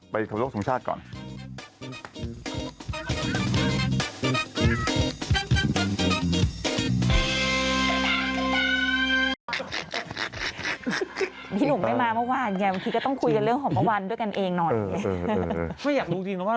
ไม่อยากรู้จริงว่าสรุปสิ้นปีแล้วใครเยอะกว่ากัน